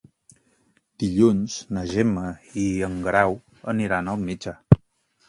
Dilluns na Gemma i en Guerau aniran al metge.